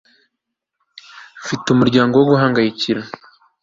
mfite umuryango wo guhangayika